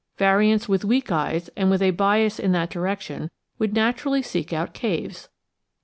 Variants with weak eyes and with a bias in that direction would naturally seek out caves.